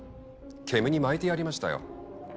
煙に巻いてやりましたよ。